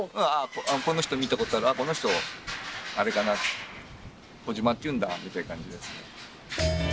この人見たことある、あれかな、小島っていうんだみたいな感じですね。